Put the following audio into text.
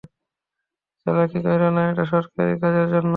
চালাকি কইরো না, এটা সরকারি কাজের জন্য।